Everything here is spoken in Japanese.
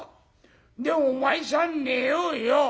で『お前さん寝ようよ』。